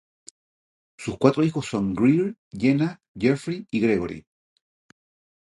Sus cuatro hijos son Greer, Jena, Geoffrey y Gregory.